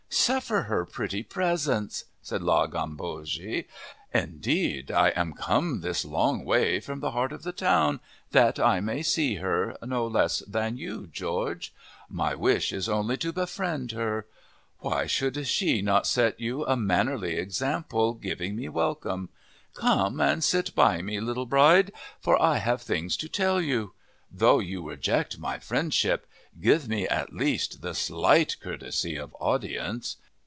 "Suffer her pretty presence," said La Gambogi. "Indeed I am come this long way from the heart of the town, that I may see her, no less than you, George. My wish is only to befriend her. Why should she not set you a mannerly example, giving me welcome? Come and sit by me, little bride, for I have things to tell you. Though you reject my friendship, give me, at least, the slight courtesy of audience.